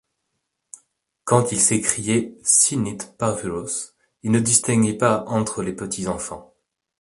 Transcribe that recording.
Quand il s’écriait: Sinite parvulos... il ne distinguait pas entre les petits enfants.